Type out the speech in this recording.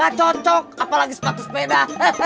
gak cocok apalagi sepatu sepeda